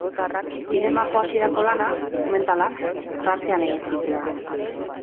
Zinemako hasierako lanak, dokumentalak, Frantzian egin zituen.